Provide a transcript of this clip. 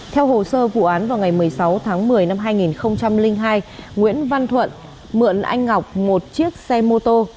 theo hồ sơ vụ án vào ngày một mươi sáu tháng một mươi năm hai nghìn hai nguyễn văn thuận mượn anh ngọc một chiếc xe mô tô